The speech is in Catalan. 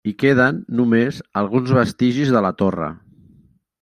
Hi queden només alguns vestigis de la torre.